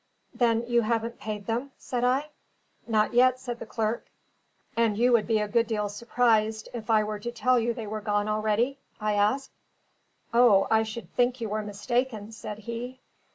"Then you haven't paid them?" said I. "Not yet," said the clerk. "And you would be a good deal surprised, if I were to tell you they were gone already?" I asked. "O, I should think you were mistaken," said he.